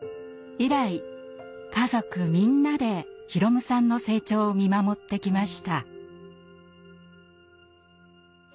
以来家族みんなで宏夢さんの成長を見守ってきました。